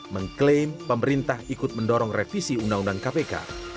mengklaim pemerintah ikut mendorong revisi undang undang kpk